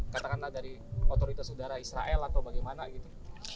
katakanlah dari otoritas udara israel atau bagaimana gitu